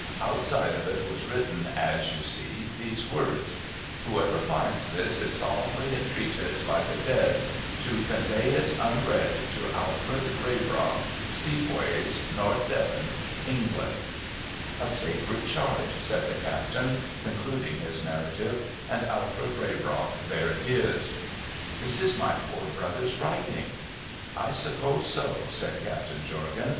Outside of it was written, as you see, these words :" IV/iocver finds this, is solemnly aiinatcd by the dead to convcv it unread to Alfred Raybrock, Stcepways, North Devon, Eni^lund" A sacred charge,' said the captain, concluding his narrative, ' and, Alfred Raybrock, there it is !'' This is my poor brother's writing !'' I suppose so,' said Captain Jorgan.